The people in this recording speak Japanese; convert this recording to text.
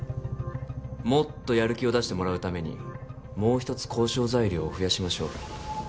もっとやる気を出してもらうためにもう一つ交渉材料を増やしましょう